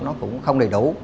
nó cũng không đầy đủ